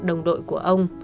đồng đội của ông